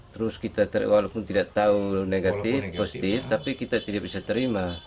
terus kita walaupun tidak tahu negatif positif tapi kita tidak bisa terima